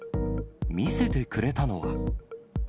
見せてくれたのは。